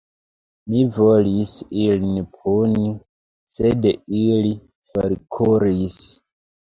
Mi volis ilin puni, sed ili forkuris.